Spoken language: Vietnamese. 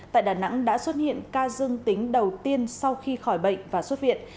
tại đà nẵng đã xuất hiện ca dương tính đầu tiên sau khi khỏi bệnh và xuất viện